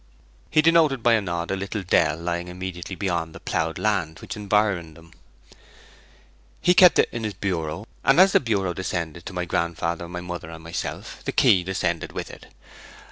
He denoted by a nod a little dell lying immediately beyond the ploughed land which environed them. 'He kept it in his bureau, and as the bureau descended to my grandfather, my mother, and myself, the key descended with it.